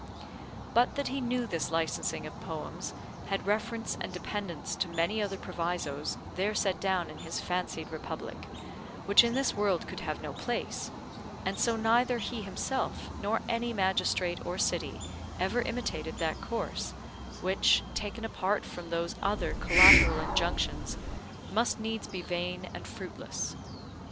But that he knew this licensing of poems had reference and dependence to many other provisos there set down in his fancied republic, which in this world could have no place: and so neither he himself, nor any magistrate or city, ever imitated that course, which, taken apart from those other collateral injunctions, must needs be vain and fruitless.